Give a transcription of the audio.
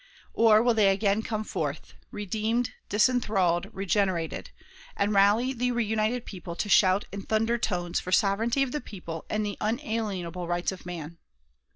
Or, will they again come forth, "redeemed, disenthralled, regenerated," and rally the reunited people to shout in thunder tones for sovereignty of the people and the unalienable rights of man?